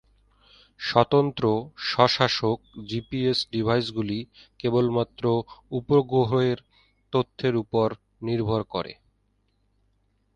স্বতন্ত্র/স্ব-শাসক GPS ডিভাইসগুলি কেবলমাত্র উপগ্রহের তথ্যের উপর নির্ভর করে।